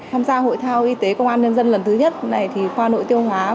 tham gia hội thao y tế công an nhân dân lần thứ nhất này thì khoa nội tiêu hóa